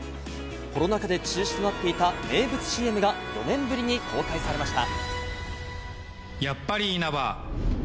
コロナ禍で中止となっていた名物ＣＭが４年ぶりに公開されました。